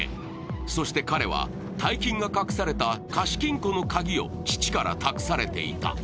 そして彼は、大金が隠された貸金庫の鍵を父から託されていた。